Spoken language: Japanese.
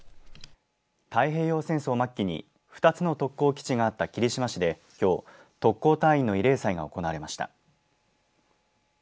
太平洋戦争末期に２つの特攻基地があった霧島市できょう、特攻隊員の慰霊祭が行われました。